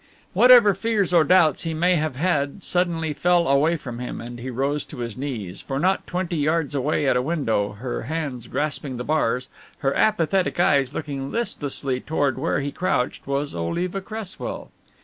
Whatever fears or doubts he may have had suddenly fell away from him and he rose to his knees, for not twenty yards away at a window, her hands grasping the bars, her apathetic eyes looking listlessly toward where he crouched, was Oliva Cresswell.